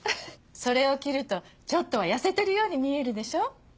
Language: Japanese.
それを着るとちょっとは痩せてるように見えるでしょ。